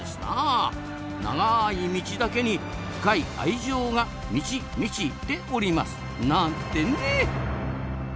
長い「道」だけに深い愛情が「満ち満ち」ております。なんてね！